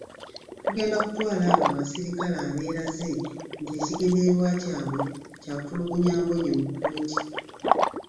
Tugenda kutwala abo abasirikale abeeraze nti ekigenderwa kyabwe kyatulugunya Mbonye mu kooti.